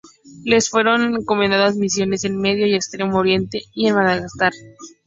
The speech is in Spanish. Les fueron encomendadas misiones en Medio y Extremo Oriente y en Madagascar.